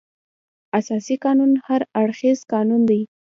اساسي قانون هر اړخیز قانون دی.